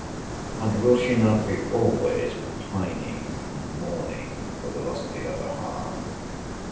And will she not be always repining and mourning for the loss of the other half?